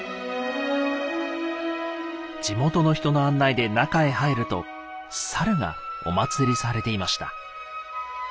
地元の人の案内で中へ入るとサルがお祀りされていました。